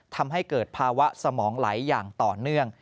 ทำให้เกิดภาวะสมองไหลอย่างต่อเนื่อง